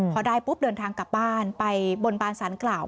พอได้ปุ๊บเดินทางกลับบ้านไปบนบานสารกล่าว